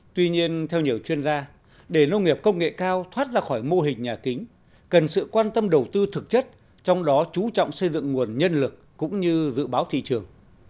tuy nhiên theo nhiều chuyên gia để nông nghiệp công nghệ cao thoát ra khỏi mô hình nhà kính cần sự quan tâm đầu tư thực chất trong đó chú trọng xây dựng nguồn nhân lực cũng như dự báo thị trường